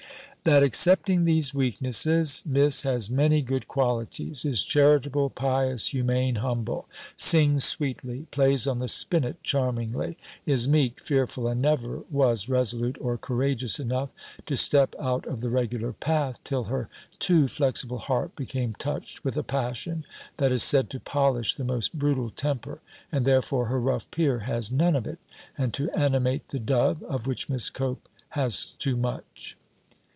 That excepting these weaknesses, Miss has many good qualities; is charitable, pious, humane, humble; sings sweetly, plays on the spinnet charmingly; is meek, fearful, and never was resolute or courageous enough to step out of the regular path, till her too flexible heart became touched with a passion, that is said to polish the most brutal temper, and therefore her rough peer has none of it; and to animate the dove, of which Miss Cope has too much.